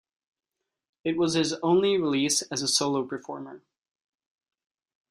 It was his only release as a solo performer.